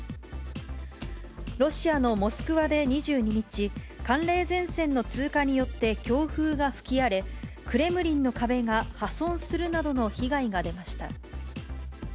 ロシアのモスクワで２２日、寒冷前線の通過によって強風が吹き荒れ、クレムリンの壁が破損するなどの被害が出ました。